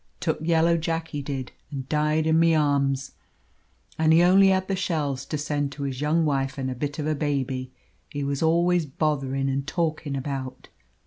Took yellow Jack, he did, and died in my arms and he only had the shells to send to his young wife and a bit of a baby he was always botherin' and talkin' about.